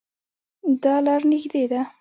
دا لار نږدې ده